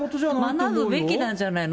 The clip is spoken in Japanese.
学ぶべきなんじゃないの？